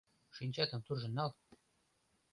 Шинчатым туржын нал!